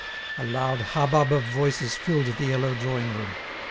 A loud hubbub of voices filled the yellow drawing room.